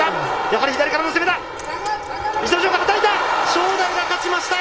やはり左からの攻めだ。